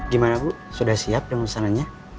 gimana bu sudah siap dengan pesanannya